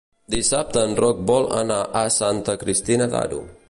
Dissabte en Roc vol anar a Santa Cristina d'Aro.